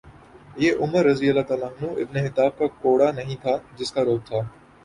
یہ Umar ibn Khattab کا کوڑا نہیں تھا جس کا رعب تھا۔